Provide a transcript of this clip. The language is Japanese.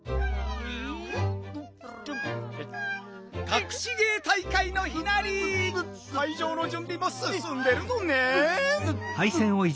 かくし芸大会の日なり！かいじょうのじゅんびもすすんでるのねん。